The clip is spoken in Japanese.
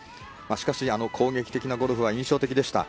しかし、あの攻撃的なゴルフは印象的でした。